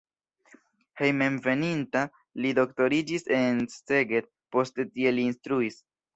Hejmenveninta li doktoriĝis en Szeged, poste tie li instruis.